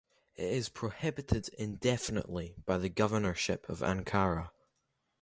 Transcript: It is prohibited indefinitely by the Governorship of Ankara.